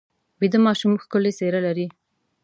ویده ماشوم ښکلې څېره لري